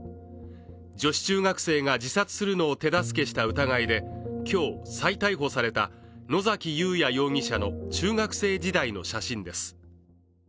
女子中学生が自殺するのを手助けした疑いで今日、再逮捕された野崎祐也容疑者の中学生時代の写真です。